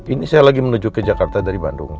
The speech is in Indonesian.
ini saya lagi menuju ke jakarta dari bandung